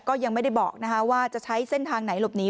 ก็ยังไม่ได้บอกว่าจะใช้เส้นทางไหนหลบหนี